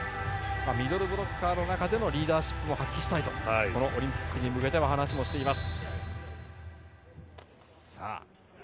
ミドルブロッカーの中でのリーダーシップも発揮したいとこのオリンピックに向けての話もしています。